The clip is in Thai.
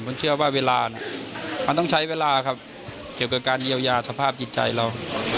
ผมเชื่อว่าเวลามันต้องใช้เวลาครับเกี่ยวกับการเยียวยาสภาพจิตใจเรา